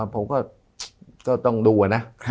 ผมก็ต้องดูนะ